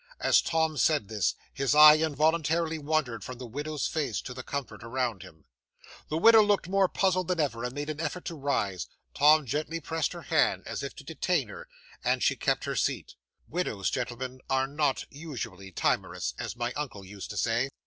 As Tom said this, his eye involuntarily wandered from the widow's face to the comfort around him. 'The widow looked more puzzled than ever, and made an effort to rise. Tom gently pressed her hand, as if to detain her, and she kept her seat. Widows, gentlemen, are not usually timorous, as my uncle used to say.